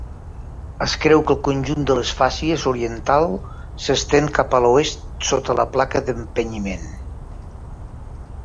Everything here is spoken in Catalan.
Es creu que el conjunt de la fàcies oriental s'estén cap a l'oest sota la placa d"empenyiment.